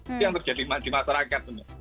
itu yang terjadi di masyarakat